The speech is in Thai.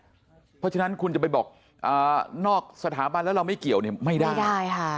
เพราะฉะนั้นคุณจะไปบอกนอกสถาบันแล้วเราไม่เกี่ยวเนี่ยไม่ได้ค่ะ